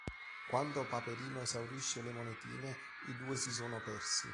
Quando Paperino esaurisce le monetine, i due si sono persi.